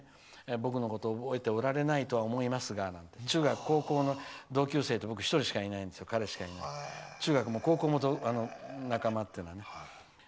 僕のことを覚えておられないと思いますが、とか中学高校の同級生って彼しかいないので中学も高校も仲間っていうのはね。